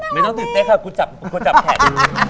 ไม่ต้องตื่นเต้นค่ะกูจับกูจับแขก